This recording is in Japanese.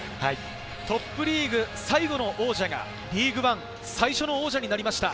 トップリーグ最後の王者がリーグワン、最初の王者になりました。